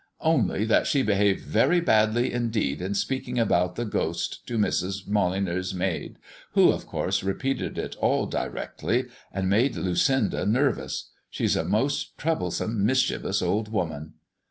"Only that she behaved very badly indeed in speaking about the ghost to Mrs. Molyneux's maid, who, of course, repeated it all directly and made Lucinda nervous. She is a most troublesome, mischievous old woman."